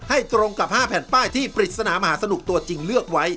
ตรงกับ๕แผ่นป้ายที่ปริศนามหาสนุกตัวจริงเลือกไว้